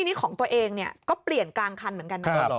นี่ของตัวเองเนี่ยก็เปลี่ยนกลางคันเหมือนกันนะ